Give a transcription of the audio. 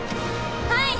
はい！